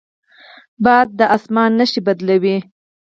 باد د اسمان نښې بدلوي